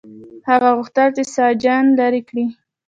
هغه غوښتل چې ساسچن لرې کړي.